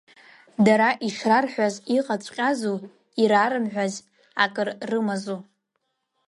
Дара ишрарҳәаз иҟаҵәҟьазу, ирарымҳәаз акыр рымазу?